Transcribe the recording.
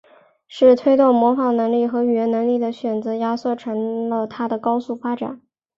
是推动模仿能力和语言能力的选择压促成了它的高速发展。